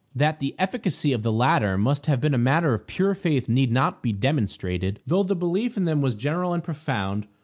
That the efficacy of the latter must have been a matter of pure faith need not be demonstrated, though the belief in them was general and profound.